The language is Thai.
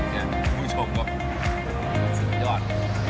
คุณผู้ชมก็สุดยอด